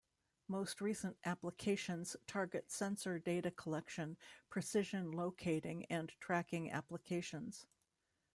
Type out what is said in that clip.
Most recent applications target sensor data collection, precision locating and tracking applications.